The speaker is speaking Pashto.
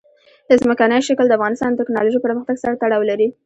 ځمکنی شکل د افغانستان د تکنالوژۍ پرمختګ سره تړاو لري.